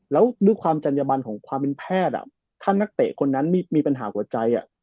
แล้วด้วยความจัญญบันของความเป็นแพทย์ถ้านักเตะคนนั้นมีปัญหาหัวใจ